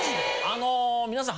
あの皆さん